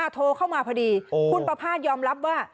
โทรเข้ามาพอดีคุณประพาทยอมรับว่า